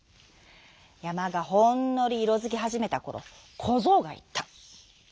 やまがほんのりいろづきはじめたころこぞうがいった。